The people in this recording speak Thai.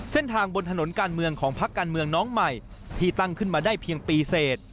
เส้นทางบนถนนการเมืองของพักการเมืองน้องใหม่ที่ตั้งขึ้นมาได้เพียงปีเสร็จ